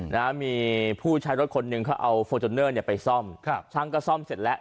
นะฮะมีผู้ใช้รถคนนึงเขาเอาเนี่ยไปซ่อมครับทั้งก็ซ่อมเสร็จแล้ว